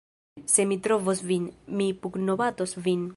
Se mi trovos vin, mi pugnobatos vin!